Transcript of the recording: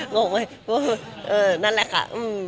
งงไหมนั่นแหละค่ะ